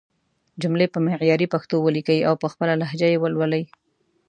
جملې په معياري پښتو وليکئ او په خپله لهجه يې ولولئ!